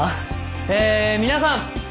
えぇ皆さん